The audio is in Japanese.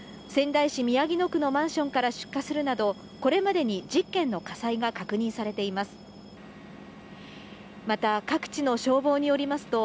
仙台市宮城野区のマンションから出火するなど、これまでに１０件の火災が確認されています。